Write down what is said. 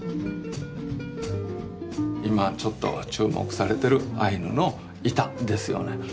今ちょっと注目されてるアイヌの板ですよね。